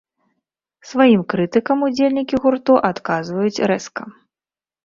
Сваім крытыкам удзельнікі гурту адказваюць рэзка.